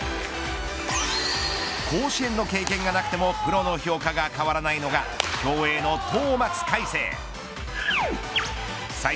甲子園の経験がなくてもプロの評価が変わらないのがこんなにおいしいのに。